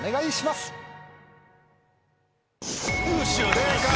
正解！